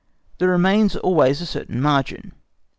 There remains always a certain margin.